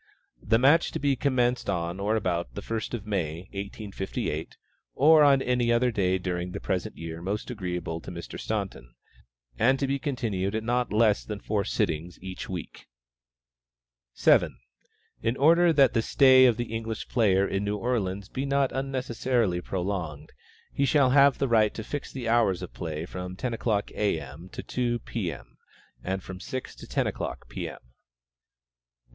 The match to be commenced on or about the first of May, 1858, (or on any other day during the present year most agreeable to Mr. Staunton,) and to be continued at not less than four sittings each week. 7. In order that the stay of the English player in New Orleans be not unnecessarily prolonged, he shall have the right to fix the hours of play at from ten o'clock, A. M., to two, P. M., and from six to ten o'clock, P. M. 8.